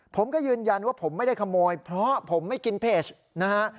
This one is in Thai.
ผมก็ยืนยันว่าผมไม่ได้ขโมยเพราะผมไม่กินเพจนะฮะ